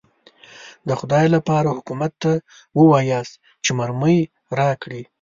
د خدای لپاره حکومت ته ووایاست چې مرمۍ راکړي.